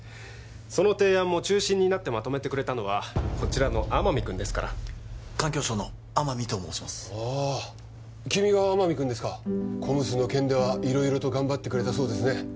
その提案も中心になってまとめてくれたのはこちらの天海君ですから環境省の天海と申しますああ君が天海君ですかＣＯＭＳの件では色々と頑張ってくれたそうですね